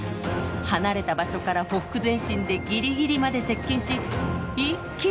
離れた場所からほふく前進でギリギリまで接近し一気にダッシュ！